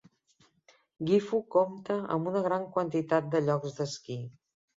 Gifu compta amb una gran quantitat de llocs d'esquí.